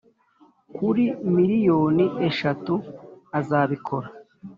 kuri miliyoni eshatu azabikora.